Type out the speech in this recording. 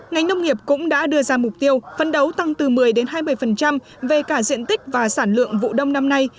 ngành nông nghiệp cũng đã đưa ra mục tiêu phân đấu tăng từ một mươi hai mươi về cả diện tích và sản lượng vụ đông năm nay